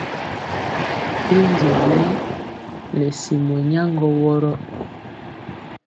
I njenɛ nɛ simɔ nyaŋgɔ wɔrɔ.